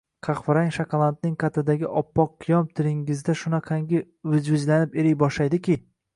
Qahvarang shokoladning qatidagi oppoq qiyom tilingizda shunaqangi vijvijlanib eriy boshlaydiki!